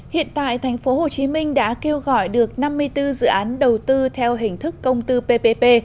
hiện tại tp hcm đã kêu gọi được năm mươi bốn dự án đầu tư theo hình thức công tư ppp